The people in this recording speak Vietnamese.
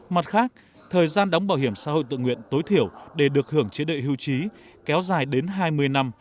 mặt khác thời gian đóng bảo hiểm xã hội tự nguyện tối thiểu để được hưởng chế đệ hưu trí kéo dài đến hai mươi năm